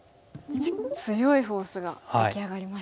強いフォースが出来上がりましたね。